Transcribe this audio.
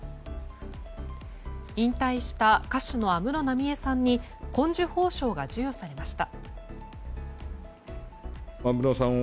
引退した歌手の安室奈美恵さんに紺綬褒章が授与されました。